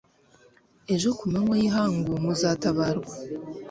ejo ku manywa y'ihangu muzatabarwa